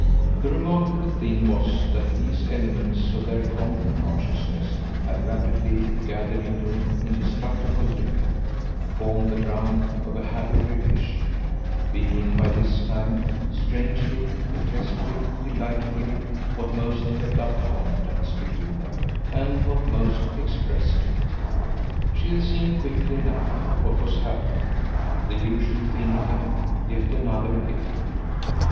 The remarkable thing was that these elements of their common consciousness had rapidly gathered into an indestructible link, formed the ground of a happy relation; being by this time, strangely, grotesquely, delightfully, what most kept up confidence between them and what most expressed it. She had seen quickly enough what was happening the usual thing again, yet once again.